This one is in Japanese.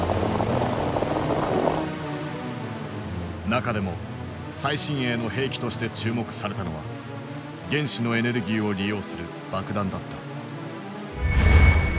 中でも最新鋭の兵器として注目されたのは原子のエネルギーを利用する爆弾だった。